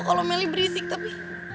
kalau meli berisik tapi